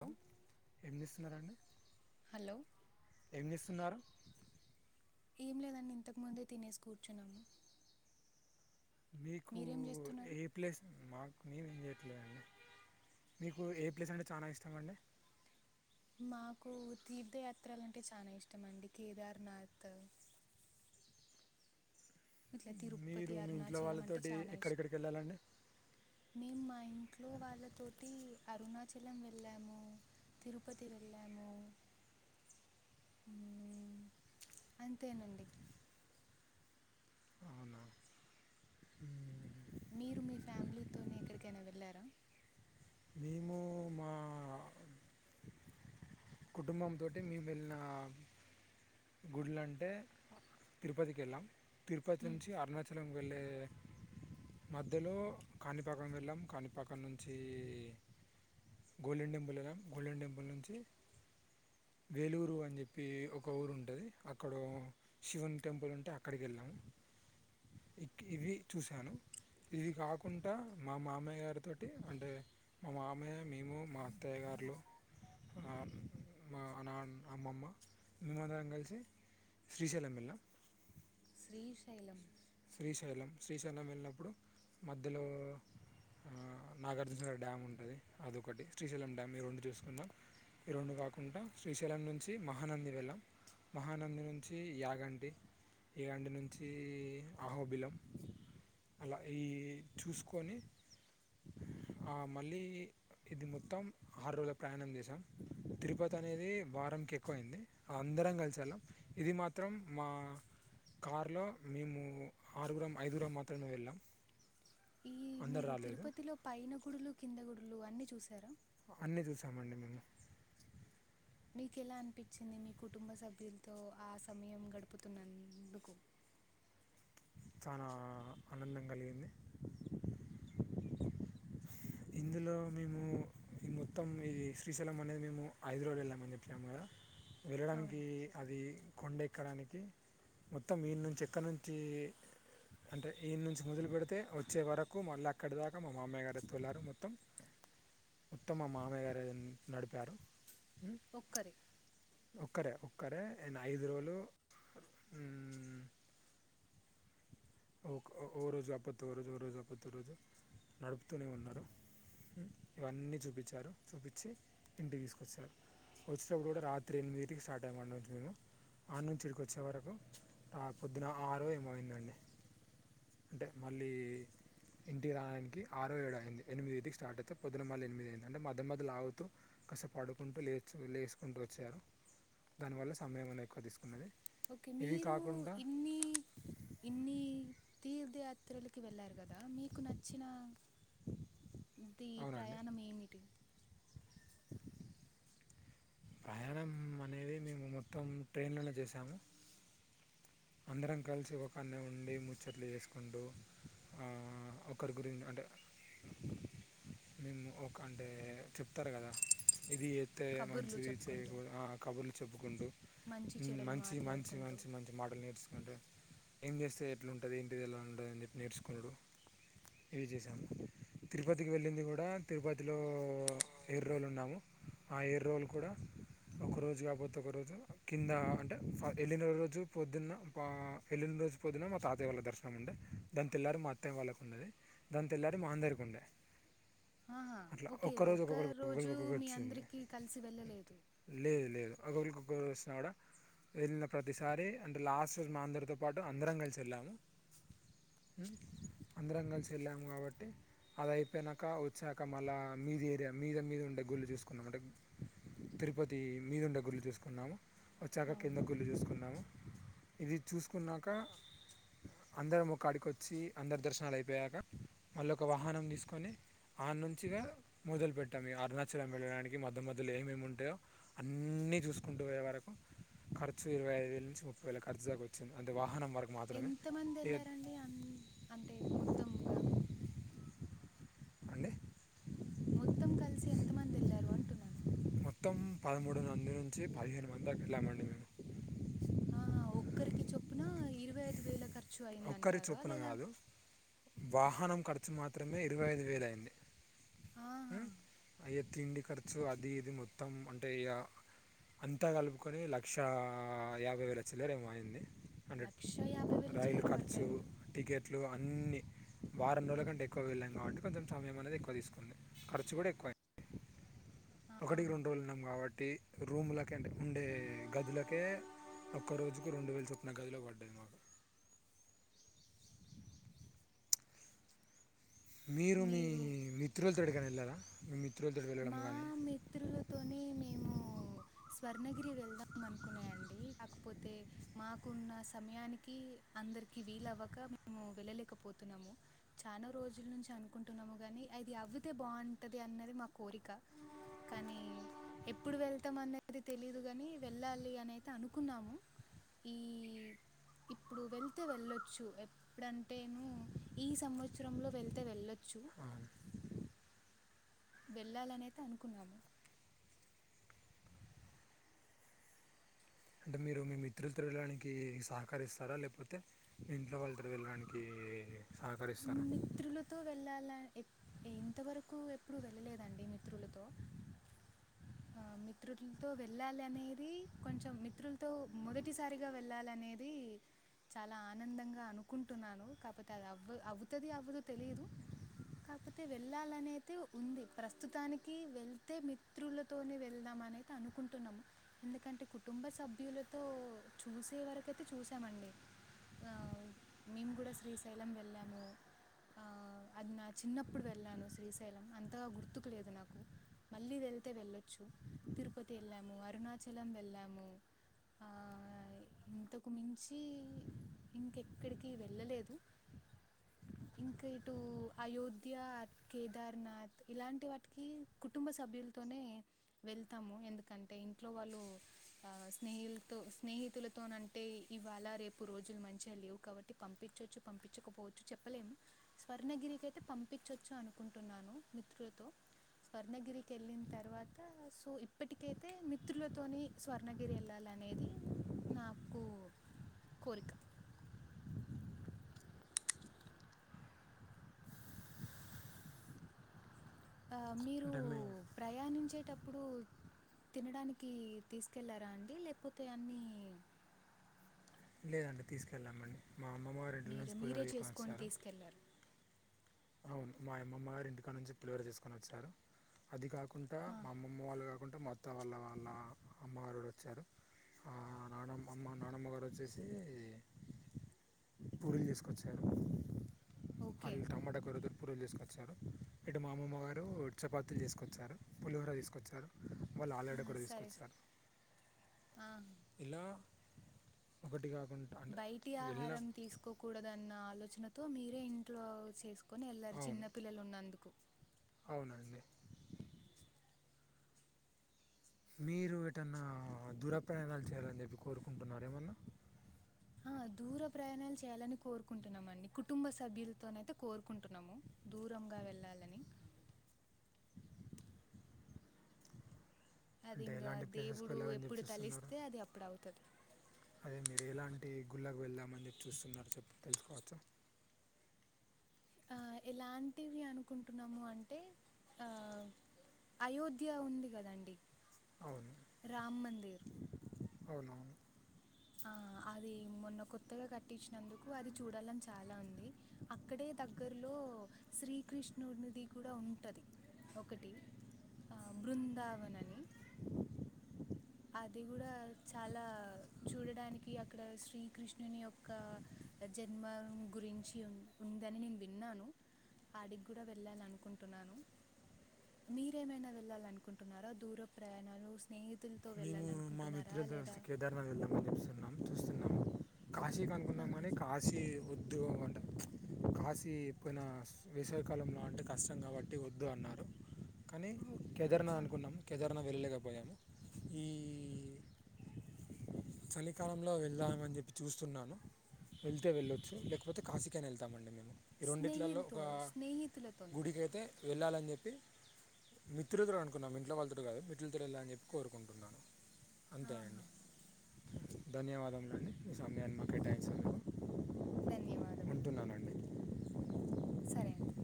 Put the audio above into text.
Hello ఏం జేస్తున్నండి hello ఏం జేస్తున్నారు ఏం లేదంని ఇంతకుముందే తినేసి కూర్చునం మీకు ఏ ప్లేస్ మాకు నేను ఏం చేయట్లేదుండి మీకు ఏ ప్లేస్ అంటే చానా ఇష్టమండి మాకు తీర్థయాత్రలు అంటే చాలా ఇష్టం అండి కేదార్నాథ్ ఇట్లా తిరుపతి మీరు మీ ఇంట్లో అరుణాచలం అంటే వాళ్ళతోటి చానా ఇష్టం ఎక్కడెక్కడికి వెళ్ళాలండి మేము మా ఇంట్లో వాళ్ళతోటి అరుణా చలం వెళ్ళాము తిరుపతి వెళ్ళాము అంతేనండి అవునా మీరు మీ ఫ్యామిలీతోని ఎక్కడికైనా వెళ్ళారా మేము మా కుటుంబం తోటి మేము వెళ్లిన గుడులు అంటే తిరుపతికి ఎళ్ళాం తిరుపతి మ్మ్, నుంచి అరుణాచలం వెళ్లే మధ్యలో కాణిపాకం వెళ్ళాం కాణిపాకం నుంచి గోల్డెన్ టెంపుల్ వెలామ్ గోల్డెన్ టెంపుల్ నుంచి వేలూరు అని చెప్పి ఒక ఊరు ఉంటది అక్కడ శివన్ టెంపుల్ ఉంటే అక్కడికి వెళ్ళాము ఇక్ ఇవి చూశాను ఇది కాకుండా మా మామయ్య గారి తోటి అంటే మా మామయ్య మేము మా అత్తయ్య గా సార్లు మా నాన్న అమ్మమ్మ మమందరం కలిసి శ్రీశైలం వెల్ళ శ్రీ శైలం శ్రీశైలం శ్రీశైలం వెళ్ళినప్పుడు మధ్యలో ఆ నాగార్జున డ్యామ్ ఉంటుంది అదొకటి శ్రీశైలం డ్యామ్ మీ రెండి చూసుకున్నాం ఈ రెండు కాకుండా శ్రీశైలం నుంచి మహానంది వెళ్ళాం మహానంది నుంచి యాగంటి యాగంటి నుంచి ఆహోబిలం అలా ఈ చూసుకొని మళ్ళీ ఇది మొత్తం ఆరు రోజుల ప్రయాణం చేసాం తిరుపతి అనేది వారంకి ఎక్కువైంది అందరం కలిసి వెళ్ళం ఇది మాత్రం మా కారు లో మేము ఆరుగురం ఐదుగురం మాత్రమే వెళ్ళాం ఈ అందరు మీరు రాలేదు తిరుపతిలో పైన గుడులు కింద గుడులు అన్ని చూసారా అన్నీ చూసామండి మేము మీకెలా అనిపించింది మీ కుటుంబ సభ్యులతో ఆ సమయం గడుపుతున్నందుకు చాలా ఆనందం కలిగింది ఇందులో మేము ఈ మొత్తం ఇది శ్రీశైలం అనేది మేము ఐదు రోజుల్ వెళ్ళాం అని చెప్పినాము కదా వెళ్ళడానికి అవునండి అది కొండ ఎక్కడానికి మొత్తం వన్న నుంచి ఎక్కడి నుంచి అంటే ఈయన్ని నుంచి మొదలు పెడితే వచ్చే వరకు మళ్ళీ అక్కడి దాకా మా మామ్మయ్య గారు ఎతులారు మొత్తం ఉత్తమ మామయ్య గారు నడిపారు ఒక్కరి ఒక్కరే ఒక్కరే నేను ఐదు రోజులు ఓ ఓ రోజు అప్పత్ ఓ రోజు ఓ రోజు అపోత్త రోజు నడుపుతూనే ఉన్నారు ఇవన్నీ చూపించారు చూపించి ఇంటికి తీసుకొచ్చారు వచ్చేటప్పుడు కూడా రాత్రి ఎనిమిదికి స్టార్ట్ అయ్యము మేము ఆన్న నుంచి ఇడికి వచ్చే వరకు పొద్దున ఆరు ఏమైందండి అంటే మల్ళీ ఇంటి రావడానికి ఆరో ఏడ అయింది ఎనిమిదికి స్టార్ట్ అవుతే పొద్దున మళ్ళలు ఎనిమిది అయింది అంటే మద్ద్య మధ్యలు ఆగుతూ కస పడుకుంటూ లేచ లేసుకుంటూ వచ్చారు దానివల్ల సమయం అని ఎక్కువ తీసుకున్నది ఇవి మీరు కాకుండా ఇన్ని ఇన్ని తీర్థయాత్రలకి వెళ్ళారు మీకు నచ్చిన అవునండి మిప్రయాణం ఏమిటి ప్రయాణం అనేది మేము మొత్తం ట్రైన్లోనే చేసాము అందరం కలిసి ఒకన్న ఉండి ముచ్చట్లు చేసుకుంటూ ఆ ఒకరి గురించి అంటే మేము ఒక అంటే చెప్తారు కదా తెలియదు అే కబుర్లు మంచిదిచ్య చెప్పుకుంటూ కబుర్లు చెప్పుకుంటూ మంచి చెడులు మంచి మంచి మాట్లాడుకుంటూ మంచి మంచి మాటలు నేర్చుకుంటూ ఏం చేస్తే ఎట్లాంటుంది ఏంటి ఎలా ఉంటుంది అని చెప్పి నేర్చుకోడు ఈజేశన్ తిరుపతికి వెళ్ళింది కూడా తిరుపతిలో ఎర రోజలు ఉన్నాము ఆ ఎర రోలు కూడా ఒక రరోజు కాకపోతే ఒకరోజు కింద అంటే వెళ్ళిన రోజు పొద్దున్న పా వెళ్ళన రోజు పోతున మా తాయళ్ళ దర్శనం ఉండే దానిిల్లారు మా అత్త్య వాళ్ళ ఉన్నది దాని తెల్లారి మా అందరికి ఉండ అంద ఆహా ఓకే ఒక ఒక్కొక్కరికి రోజు ఒక్కొక్కటి మీ వచ్చింది అందరికి కలిసి వెళ్ళలేదు లేదు లేదు ఒకరికిొ వస్తుిన కూడా వెళ్ళిన ప్రతిసారి అంటే లాస్ట్ మా అందరితో పాటు అందరం కలిసి వెళ్ళాము అందరం కలిసి వెళ్ళాము కాబట్టి అది అయిపోయినాక వచ్చాక మళ్ళా మీద ఏరియా మీద మీద ఉండే గుళ్ళు చూసుకున్నాము అంటే తిరుపతి మీదుండే గుళ్ళు చూసుకున్నాము వచ్చాక కింద అవును గుళ్ళు చూసుకున్నాము ఇది చూసుకున్నాక అందరం ఒకక్కడికిొచ్చి అందరు దర్శనాలు అయిపోయాక మళ్ళ ఒక వాహనం తీసుకొని ఆ నుంచిగా మొదలు పెట్టాము అరుణాచలం వెళ్ళడానికి మద్ద్య మధ్యలో ఏమేమి ఉంటాయో అన్ని అన్ని చూకుంటూ పోయే వరకు ఖచు ఇరవై ఐదు వేల నుంచి ముప్పై వేల ఖర్చు దాకా వచ్చింది అే వాహనం వరకు మాత్రమే ఎంత మంది ఇక వెళ్ళారండి అ అంటే మొత్తంగ అండి మొత్తం కలిసి ఎంత మంది వెళ్లారు అంటున్నాను మొత్తం పదమూడు మంది నుంచి పదిహేను మంది దాక వెళ్ళామండి మేము ఆ ఒక్కరికి చొప్పున ఇరవై ఐదు వేల ఖ ఒక్కరి చొప్పున కాదు వాహనం క ఖర్చు మాత్రమే ఇరవై ఐదు వేలు అయింది ఆహా! అయ్యా తిండి ఖర్చు అది ఇది మొత్తం అంటే ఇగ అంతా కలుపుకొని లక్షా యాభై వేల చిల్లర ఏమో అయింది అంటే రైలు చిల్లర వరకు ఖర్చు అయిందా? టికె లు అన్ని వారం రోజుల కంటే ఎక్కువ వెళ్ళాం కాబట్టి కొంచెం సమయం అనేది ఎక్కువ తీసుకుంది ఖర్చు కూడా ఎక్కువ అ [inaudible] ఆహా! టి రూములక అంటే ఉండే గదులకే ఒక్క రోజుకు రెండు వేలు చొప్పున గదిలో పడ్డాది మాకు మీరు మీ మిత్రులతోడికని వెళ్ళారా మీ మిత్రులతో వెళ్ళడం మా కానీ మిత్రులతోని మేము [inaudible] స్వర్ణగిరి వెళ్దాం అనుకునే అండి కాకపోతే మాకున్న సమయానికి అ అందరికి వీల్వ్వక మేము వెళ్ళలేకపోతున్నాము చాన రోజుల నుంచి అనుకుంటున్నాము కాగానీ అఐ అవితే బాగుంటది అన్నది మా కోరిక కానీ ఎప్పుడు వెళ్తాం అనేది తెలీదు కాని వెళ్ళాలి అని అయితే అనుకున్నాము ఈ ఇప్పుడు వెళ్తే వెళ్ళొచ్చు ఎప్పుడంటేను ఈ సంవత్సరంలో వెళ్తే వెళ్ల చ్చు [inaudible] వెళ్ళాలి అనిఐయితే అనుకున్నాము అంటే మీరు మీ మిత్రులతో వెళ్ళడానికి సహకరిస్తార లేకపోతే మీ ఇంట్లో వాళ్ళతో వెళ్ళడానికి సహకరిస్తార మిత్రులతో వెళ్ళాల ఇంతవరకు ఎప్పుడు వెళ్ళలేదండి మిత్రులతో [inaudible] ఆ మిత్రులతో వెళ్ళాలి అనేది కొంచెం మిత్రులతో మొదటిసారిగ వెళ్ళాలి అనేది [inaudible] చాల ఆనందంగా అనుకుంటున్నాను కాపోతే అది అవ్వ అవుతది అవ్వదో తెలీదు కాకపోతే వెళ్ళాలనేతే ఉంది ప్రస్తుతానికి వెళ్తే మిత్రులతోనే వెళ్దాం మనైతే అనుకుంటున్నాము ఎందుకంటే కుటుంబ సభ్యులతో చూసే వరకయితే చూసామం [inaudible] ఆ మేము కూడ శ్రీశైలం వెళ్ళాము ఆ, [inaudible] అది నా చిన్నప్పుడు వెళ్ళాను శ్రీశైలం అంతగా గుర్తుకు లేదు నాకు మళ్ళీ వెళ్తే వెళ్ళొచ్చు తిరుపతి వెళ్ళాము అరుణచలం వెళ్ళాము ఆ ఇంతకు మించి ఇంకెక్కడికి వెళ్ళలేదు [inaudible] ఇంకా ఇటు అయోధ్య కేదార్నాథ్ ఇలాంటి వాటికి కుటుంబ సభ్యు తోనే వెళ్తాము ఎందుకంటే ఇంట్లో వాళ్ళు ఆ స్నేహిలతో స్నేహితుల అంటే ఇవాళ రేపు రోజులు మంచిగా లేవు కాబట్టి పంపించచ్చు పంపించకపో చెప్పలేము స్వర్ణగిరికైతే పంపించచ్చు అనుకుంటున్నాను మిత్రులతో స్వర్ణగిరికి కెల్లిన్ తర్వాత సో ఇప్పటికైతే మిత్రులతోని స్వర్ణగిరి వెళ్ళాలని అనేది నాకు కోరిక ఆ మీరు అంటే మీ ప్రయాణించేటప్ ప్పుడు తినడానికి తీసుకెళ్లారా అండి లేకపోతే అన్నీ లేదండి తీసుకెళ్ళామండి మా అమ్మ వారు ఇంటిలో మీరు నుంచి పులిహోర మీరే చేసుకొని వచ్చారు తీసుకెళ్లారు అవును మా అమ్మమ్మ గారు ఇంటికానుంచి పులిహోర చేసుకొని వచ్చినారు అది కా కుంటా ఆ, మా అమ్మమ్మ వాళ్ళు కాకుంట మా అత్త వాళ్ళ వాళ్ళ అమ్మ వారు కూడా వచ్చారు నానమ్మ అమ్మ నానమ్మగారు వచ్చేసి పూరీలు తీసుకోచ్చారు ఓకే వాళ్ళు టమాట పూరీలు తీసుకొచ్చారు ఇటు మా అమమ్మ గారు చపాతీలు తీసుకొచ్చారు పులిహోర తీసుకొచ్చారు వాళ్ళు ఆ, ఆలుగడ్డ కూర సరే తీసుకొచ్చారు స- ఆ, ఇలా ఒకటిగా బయటి ఆహారం తీసుకోకూడదన్న ఆలోచనతో మీరే ఇంట్లో చేసుకో కొని వెళ్ళారు అవును చిన్న పిల్లలు ఉన్నందుకు అవునండి మీరు ఎటన్నా దూర ప్రయాణాలు చేయాలని చెప్పి కోరుకుంటున్నార ఏమన్నా ఆ దూర ప్రయాణాలు చేయాలని కోరుకుంటున్నాం అండి కుటుంబ సభ్యులతోనైతే కోరుకుంటున్నాము దూరంగా వెళ్ళాలని [inaudible] అది అంటే ఇంగా ఎలాంటి ప్లేసెస్కి దేవుడు వెళ్ళాలని చెప్పి ఎప్పుడు చూస్తున్నారు తలిస్తే అది అప్పుడు అవుతది అదే మీరు ఎలాంటి గుళ్ళకు వెళ్దామని చెప్పి చూస్తున్నారు చెప్ప తెలుసుకోవచ్చా ఆ ఎలాంటివి అనుకుంటున్నాము అంటే ఆ అయోధ్య ఉంది కదండి అవును రామ్ మందిర్ అవునవును ఆ అది మొన్న కొత్తగా కట్టించినందుకు అది చూడాలని చాలా ఉంది అక్కడే దగ్గరలో శ్రీకృష్ణునిది కూడా ఉంటది ఒకటి బృందావన్ నని అది కూడా చాలా చూడడానికి అక్కడ శ్రీకృష్ణుని యొక్క జన్మం గురించి ఉ ఉందని నేను విన్నాను ఆడికి కూడా వెళ్ళాలనుకుంటున్నాను మీరేమైనా వెళ్ళాలనుకుంటున్నారా దూర ప్రయాణాలు స్నేహితు మేము మా మిత్రులతో కలిసి కేదార్నాథ్ వెళ్దామని చెప్స్తున్నాము చూస్తున్నాము కాశీ ఆ, కనుకున్నాం కానీ కాశీ వద్దు అంట కాశీ పోయిన వేసవికాలంలో అంటే కష్టం కాబట్టి వద్దు అన్నారు కానీ ఓ కేదార్నాద్ ఆ, అనుకున్నాము కేదార్నాద్ వెళ్ళలేకపోయాము ఈ చలికాలంలో వెళ్దామని చెప్పి చూస్తున్నాను వెళ్తే వెళ్ళొచ్చు లేకపోతే కాశి కాయిన వెళ్తామండి మేము ఈ రెండిట్లలో ఒక స్నేహితులతో స్నేహితులతోని గుడికైతే వెళ్ళాలని చెప్ తి మిత్రులతో అనుకున్నాం ఇంట్లో వాళ్ళతోటి కాదు మిత్రులతో వెళ్ళ అని చెప్పి కోరుకుంటున్నాను అంతే ఆహా, అండి ధన్యవాదములు అండి మీ సమయాన్ని మాకు కేటాయించి నందుకు ధన్యవాదములు సరే అండి